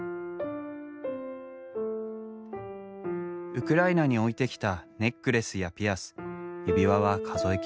ウクライナに置いてきたネックレスやピアス指輪は数え切れない。